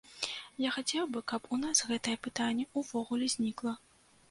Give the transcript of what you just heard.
Я хацеў бы, каб у нас гэтае пытанне ўвогуле знікла.